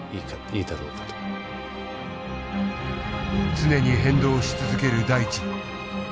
常に変動し続ける大地。